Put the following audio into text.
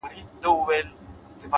هره لاسته راوړنه له لومړي ګام پیلېږي.!